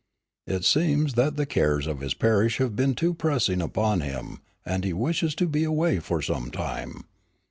It seems that the cares of his parish have been too pressing upon him and he wishes to be away for some time.